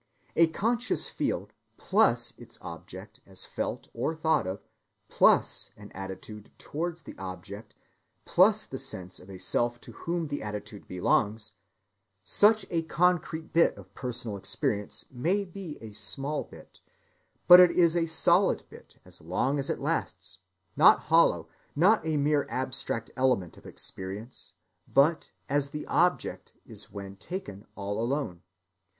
A conscious field plus its object as felt or thought of plus an attitude towards the object plus the sense of a self to whom the attitude belongs—such a concrete bit of personal experience may be a small bit, but it is a solid bit as long as it lasts; not hollow, not a mere abstract element of experience, such as the "object" is when taken all alone.